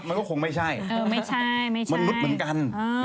ไม่ใช่ไม่ใช่มนุษย์เหมือนกัน